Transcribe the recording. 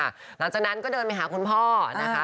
หลังจากนั้นก็เดินไปหาคุณพ่อนะคะ